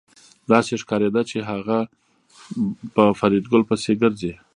داسې ښکارېده چې هغه په فریدګل پسې ګرځي